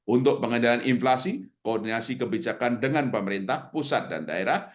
untuk pengendalian inflasi koordinasi kebijakan dengan pemerintah pusat dan daerah